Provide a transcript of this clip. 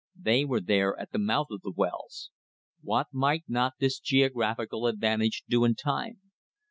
They were there at the mouth of the wells. What might not this geographical advantage do in time?